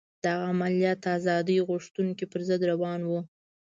دغه عملیات د ازادي غوښتونکو پر ضد روان وو.